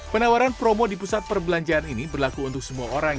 penawaran promo di pusat perbelanjaan ini berlaku untuk semua orang